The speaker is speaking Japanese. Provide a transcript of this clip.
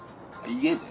「家で？」